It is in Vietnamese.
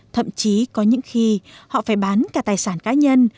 thậm chí có những khi họ phải bán cả tài sản cá nhân